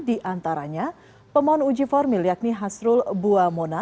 di antaranya pemohon uji formil yakni hasrul buamona